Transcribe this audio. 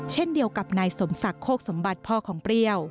เช่นเดียวกับนายสมศักดิ์โคกสมบัติพ่อของเปรี้ยว